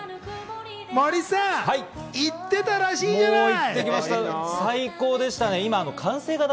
森さん、行ってたらしいじゃない。